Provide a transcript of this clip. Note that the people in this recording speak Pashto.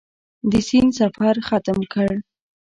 د سیند سفر ختم کړ.